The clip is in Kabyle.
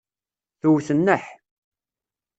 Tewwet nneḥ.